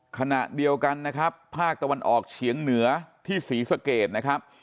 ขณะเดียวกันนะครับภาคตะวันออกเฉียงเหนือที่ศรีสะเกดนะครับ